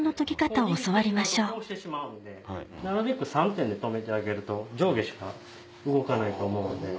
３点で留めてあげると上下しか動かないと思うので。